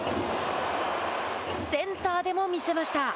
センターでも見せました。